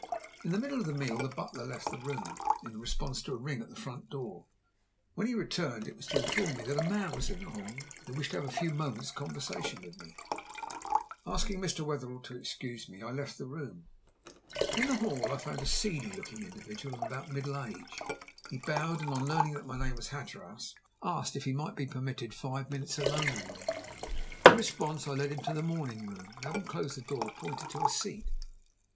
In the middle of the meal the butler left the room, in response to a ring at the front door. When he returned, it was to inform me that a man was in the hall, who wished to have a few moments' conversation with me. Asking Mr. Wetherell to excuse me, I left the room. In the hall I found a seedy looking individual of about middle age. He bowed, and on learning that my name was Hatteras, asked if he might be permitted five minutes alone with me. In response, I led him to the morning room, and having closed the door, pointed to a seat.